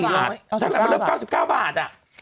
๓๐๔หลักหลัก๙๙บาทอะ